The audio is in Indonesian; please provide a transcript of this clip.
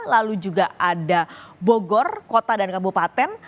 lalu juga ada bogor kota dan kabupaten